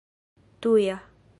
tuja